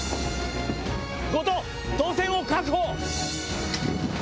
後藤動線を確保！